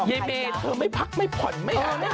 เยเมทเธอไม่พักไม่ผ่อนไม่อาหาร